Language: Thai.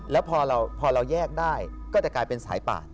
แล้วพอเราแยกได้ก็จะกลายเป็นสายป่าน